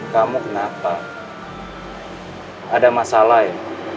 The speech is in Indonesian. kamu kenapa ada masalah ya